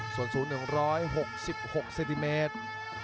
ส่วนสูง๑๖๖เซนติเมตร